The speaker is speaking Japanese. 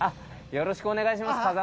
よろしくお願いします